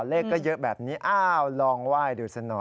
มีเยอะแบบนี้ลองไหว้ดูซักหน่อย